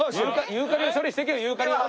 ユーカリを処理していけユーカリを。